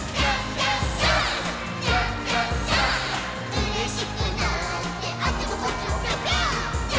「うれしくなってあっちもこっちもぴょぴょーん」